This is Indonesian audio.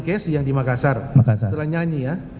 kes yang di makassar setelah nyanyi ya